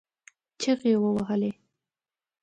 چغې يې ووهلې.